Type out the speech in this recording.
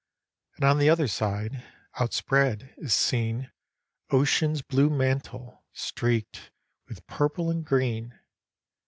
And on the other side, outspread, is seen Ocean's blue mantle streak'd with purple, and green.